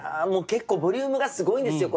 結構ボリュームがすごいんですよ